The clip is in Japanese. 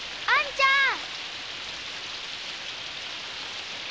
あんちゃん！